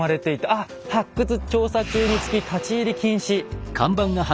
あっ「発掘調査中につき立入禁止」。